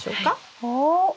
おお？